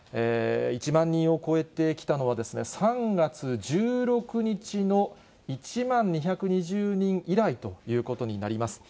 １万人を超えてきたのは、３月１６日の１万２２０人以来ということになります。